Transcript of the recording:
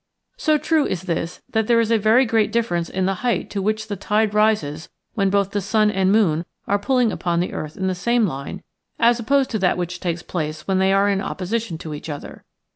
So true is this that there is a very great difference in the height to which the tide rises when both sun and moon are pulling upon the earth in the same line, as opposed to that which takes place when they are in opposition to each other.